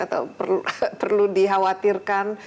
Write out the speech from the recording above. atau perlu dikhawatirkan